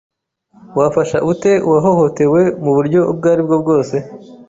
Wafasha ute uwahohotewe muburyo ubwaribwo bwose